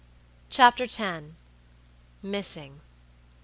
CHAPTER X. MISSING.